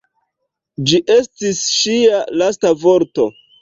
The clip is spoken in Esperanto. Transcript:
Ĝi estis ŝia lasta vorto.